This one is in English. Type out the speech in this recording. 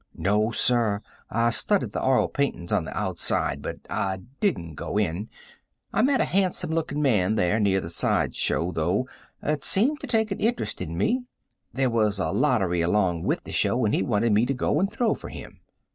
"No, sir. I studied the oil paintings on the outside, but I didn't go in, I met a handsome looking man there near the side show, though, that seemed to take an interest in me. There was a lottery along with the show and he wanted me to go and throw for him."